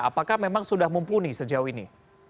apakah memang sudah mumpuni sejauh ini